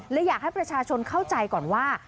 อยากให้ประชาชนเข้าใจก่อนว่า